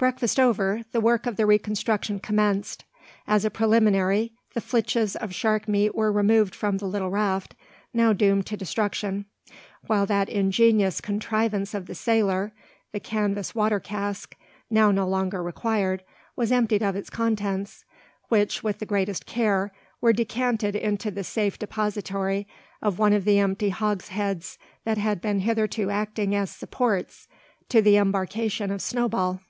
Breakfast over, the work of reconstruction commenced. As a preliminary, the flitches of shark meat were removed from the little raft, now doomed to destruction; while that ingenious contrivance of the sailor, the canvas water cask, now no longer required, was emptied of its contents; which, with the greatest care, were decanted into the safe depository of one of the empty hogsheads that had been hitherto acting as supports to the embarkation of Snowball.